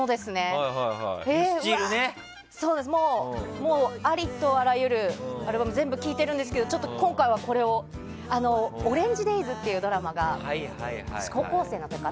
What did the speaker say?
もうありとあらゆるアルバム全部聴いてるんですけど今回は、これを「オレンジデイズ」っていうドラマが私、高校生だったかな。